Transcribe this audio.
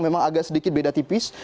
memang agak sedikit beda tipis